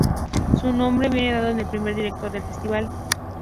Su nombre viene dado por el primer director del festival.